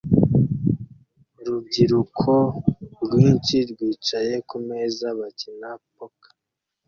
Urubyiruko rwinshi rwicaye kumeza bakina poker